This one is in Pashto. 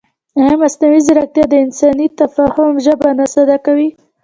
ایا مصنوعي ځیرکتیا د انساني تفاهم ژبه نه ساده کوي؟